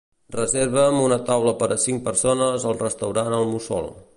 Reserva'm una taula per a cinc persones al restaurant El Mussol.